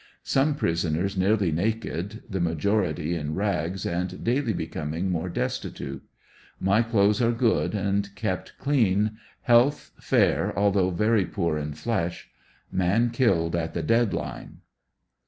Some prisoners nearly naked, the majority in rags and daily becoming more destitute. My clothes are good and kept clean, health fair although very poor in flesh Man killed at the dead line.